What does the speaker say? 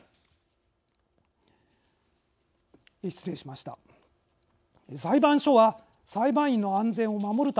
失礼しました。